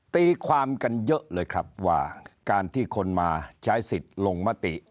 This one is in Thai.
ตีความกันเยอะเลยครับว่าการที่คนมาใช้สิทธิ์ลงมติ